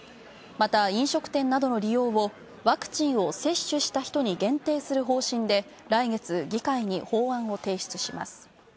また、飲食店などの利用をワクチンを接種した人に限定する方針で、来月議会に法案を提出します。